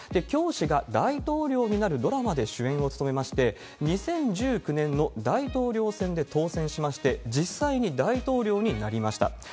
教師が大統領になるドラマで主演を務めまして、２０１９年の大統領選で当選しまして、実際に大統領になりました。